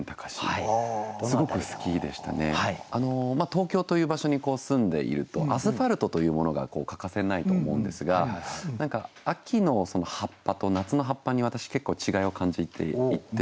東京という場所に住んでいるとアスファルトというものが欠かせないと思うんですが何か秋の葉っぱと夏の葉っぱに私結構違いを感じていて。